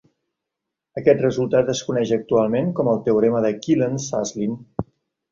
Aquest resultat es coneix actualment com el teorema de Quillen-Suslin.